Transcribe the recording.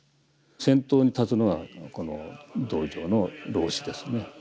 先頭に立つのはこの道場の老師ですね。